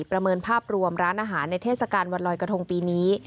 ประเมินภาพรวมร้านอาหารในเทศกาลวันลอยกระทงปีนี้